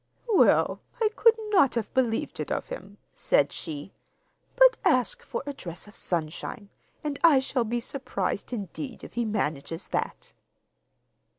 'Well, I could not have believed it of him!' said she; 'but ask for a dress of sunshine, and I shall be surprised indeed if he manages that!